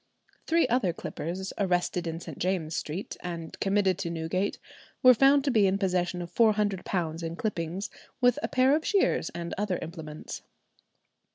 Three other clippers arrested in St. James's St., and committed to Newgate, were found to be in possession of £400 in clippings, with a pair of shears and other implements.